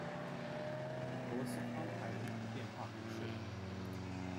博斯康坦人口变化图示